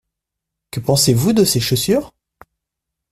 Que pensez-vous de ces chaussures ?